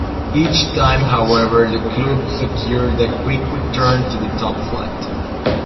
Each time, however, the club secured a quick return to the top-flight.